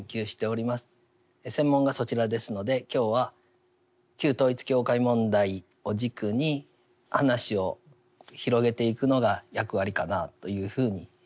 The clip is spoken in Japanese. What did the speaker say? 専門がそちらですので今日は旧統一教会問題を軸に話を広げていくのが役割かなというふうに思っております。